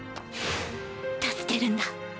救けるんだ！